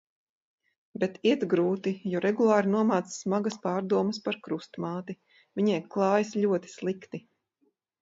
Bet iet grūti, jo regulāri nomāc smagas pārdomas par Krustmāti. Viņai klājas ļoti slikti.